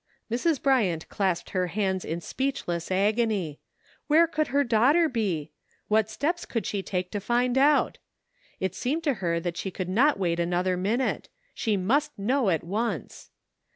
Mrs. Bryant clasped her hands in speechless agony. Where could her daughter be? What steps could she take to find out ? It seemed to her that she could not wait another minute! She must know at once.